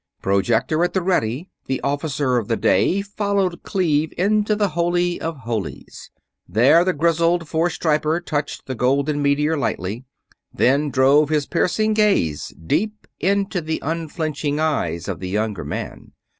Projector at the ready, the Officer of the Day followed Cleve into the Holy of Holies. There the grizzled four striper touched the golden meteor lightly, then drove his piercing gaze deep into the unflinching eyes of the younger man.